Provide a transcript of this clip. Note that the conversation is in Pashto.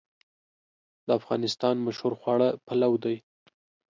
د افغانستان مشهور خواړه پلو دی